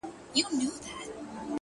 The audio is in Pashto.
• له اورنګه تر فرنګه چي راغلي ,